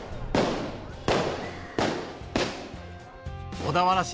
小田原市